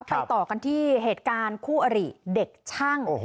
ต่อกันที่เหตุการณ์คู่อริเด็กช่าง